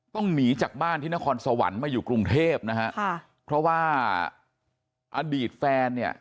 หนีจากบ้านที่นครสวรรค์มาอยู่กรุงเทพนะฮะค่ะเพราะว่าอดีตแฟนเนี่ย